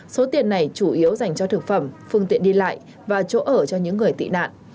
số tiền này chủ yếu dành cho thực phẩm phương tiện đi lại và chỗ ở cho những người tị nạn